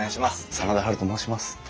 真田ハルと申します。